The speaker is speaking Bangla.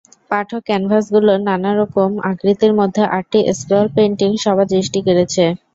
পাঠক, ক্যানভাসগুলোর নানা রকম আকৃতির মধ্যে আটটি স্ক্রল পেইন্টিং সবার দৃষ্টি কেড়েছে।